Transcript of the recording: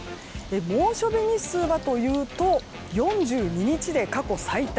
猛暑日日数はというと４２日で過去最多。